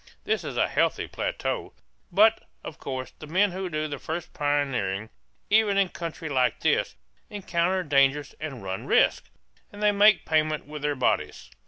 This is a healthy plateau. But, of course, the men who do the first pioneering, even in country like this, encounter dangers and run risks; and they make payment with their bodies.